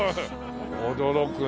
驚くね。